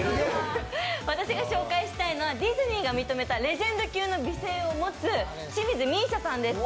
私が紹介したいのはディズニーが認めたレジェンド級の美声を持つ清水美依紗さんです。